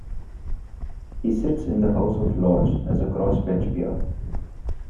He sits in the House of Lords as a crossbench peer.